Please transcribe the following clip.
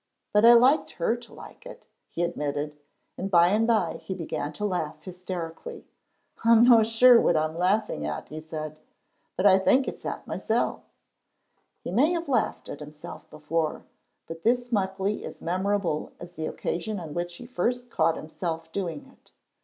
"But I liked her to like it," he admitted, and by and by he began to laugh hysterically. "I'm no sure what I'm laughing at," he said, "but I think it's at mysel'." He may have laughed at himself before, but this Muckley is memorable as the occasion on which he first caught himself doing it.